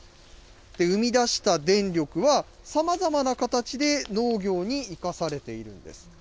生み出した電力は、さまざまな形で農業に生かされているんです。